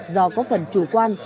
do có phần chủ quan